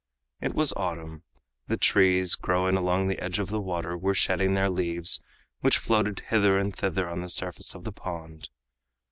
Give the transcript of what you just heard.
It was autumn. The trees growing along the edge of the water were shedding their leaves, which floated hither and thither on the surface of the pond.